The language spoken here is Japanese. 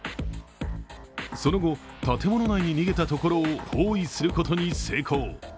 その後、建物内に逃げたところを包囲することに成功。